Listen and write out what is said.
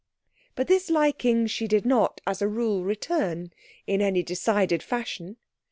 But this liking she did not, as a rule, return in any decided fashion.